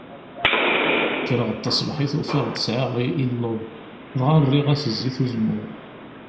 Kreɣ-d taṣebḥit ufiɣ-d sɛiɣ illeḍ, dɣa erriɣ-as zzit uzemmur.